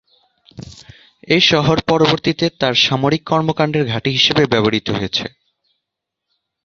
এই শহর পরবর্তীতে তার সামরিক কর্মকাণ্ডের ঘাঁটি হিসেবে ব্যবহৃত হয়েছে।